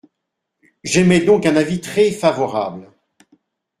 J’émets donc un avis très favorable.